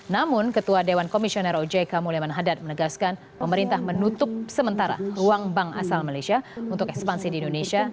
namun ketua dewan komisioner ojk mulyaman hadad menegaskan pemerintah menutup sementara uang bank asal malaysia untuk ekspansi di indonesia